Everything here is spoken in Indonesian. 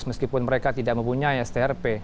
meskipun mereka tidak mempunyai strp